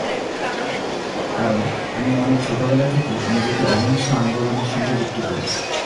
কারণ আমি অনেক ছোটবেলা থেকে নিজেকে অহিংস আন্দোলনের সঙ্গে যুক্ত করি।